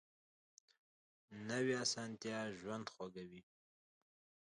نوې اسانتیا ژوند خوږوي